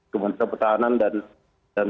kementerian pertahanan dan